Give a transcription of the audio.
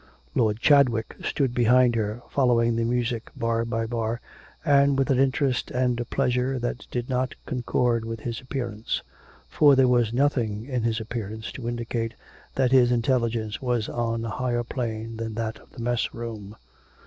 Lord Chadwick stood behind her, following the music bar by bar, and with an interest and a pleasure that did not concord with his appearance. For there was nothing in his appearance to indicate that his intelligence was on a higher plane than that of the mess room.